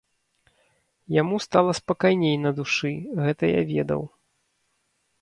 Яму стала спакайней на душы, гэта я ведаў.